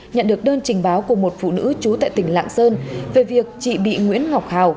nhận được đơn trình báo của một phụ nữ trú tại tỉnh lạng sơn về việc chị bị nguyễn ngọc hào